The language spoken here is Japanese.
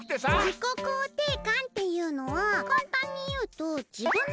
自己肯定感っていうのはかんたんにいうとふむふむ。